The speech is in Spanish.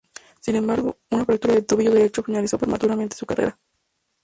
Sin embargo, una fractura de tobillo derecho finalizó prematuramente su carrera.